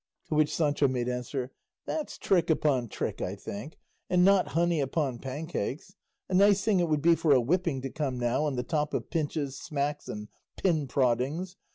To which Sancho made answer, "That's trick upon trick, I think, and not honey upon pancakes; a nice thing it would be for a whipping to come now, on the top of pinches, smacks, and pin proddings!